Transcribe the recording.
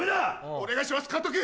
お願いします監督！